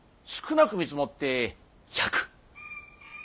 少なく見積もって１００。